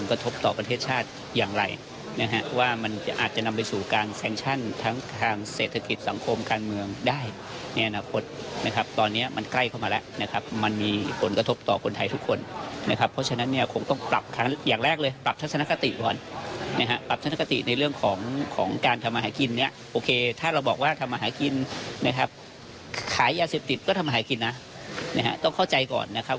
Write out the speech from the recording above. ขายยาเสพติดก็ทำหายกินนะต้องเข้าใจก่อนนะครับ